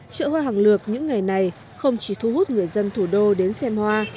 chợ hoa hàng lược những ngày này không chỉ thu hút người dân thủ đô đến xem hoa